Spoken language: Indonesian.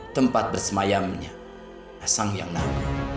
tempat bersemayamnya sang yang namanya